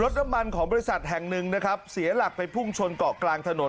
น้ำมันของบริษัทแห่งหนึ่งนะครับเสียหลักไปพุ่งชนเกาะกลางถนน